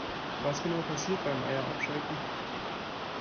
Was genau passiert beim Eier abschrecken?